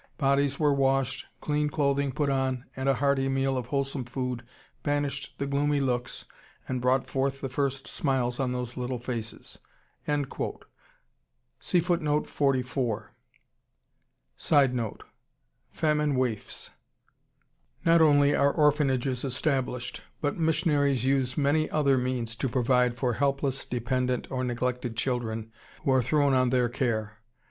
Bodies were washed, clean clothing put on, and a hearty meal of wholesome food banished the gloomy looks and brought forth the first smiles on those little faces." [Illustration: BASKET OF BABIES FROM THE ORPHANAGE, GUNTUR, INDIA] [Sidenote: Famine waifs.] Not only are orphanages established, but missionaries use many other means to provide for helpless, dependent, or neglected children who are thrown on their care.